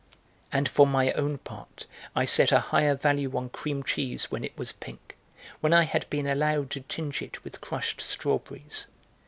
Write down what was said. And for my own part I set a higher value on cream cheese when it was pink, when I had been allowed to tinge it with crushed strawberries.